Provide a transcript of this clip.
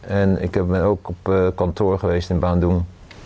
และเขาก็ไปกับคอนโทร์เกว่าในบ้านดุง